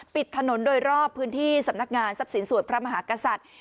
ปิดถนนโดยรอบพื้นที่สำนักงานทรัพย์สินสวดพระมหากษัตริย์